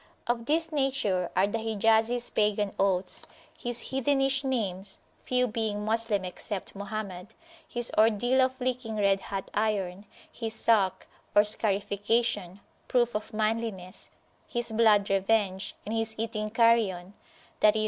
Of this nature are the Hijazis pagan oaths, his heathenish names (few being Moslem except Mohammed), his ordeal of licking red hot iron, his Salkh, or scarification, proof of manliness, his blood revenge, and his eating carrion (i.e.